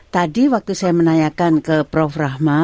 tadi waktu saya menanyakan ke prof rahma